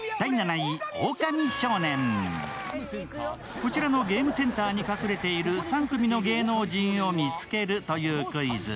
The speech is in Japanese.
こちらのゲームセンターに隠れている３組の芸能人を見つけるというクイズ。